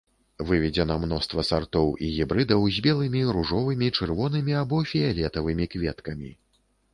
Выведзена мноства сартоў і гібрыдаў з белымі, ружовымі, чырвонымі або фіялетавымі кветкамі.